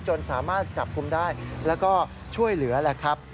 จนสามารถจับคุมได้แล้วก็ช่วยเหลือแหละครับ